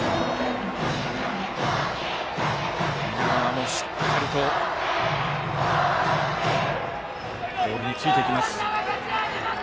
南川もしっかりとボールについていきます。